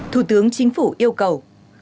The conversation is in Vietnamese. thủ tướng chính phủ yêu cầu